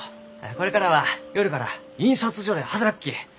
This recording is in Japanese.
これからは夜から印刷所で働くき。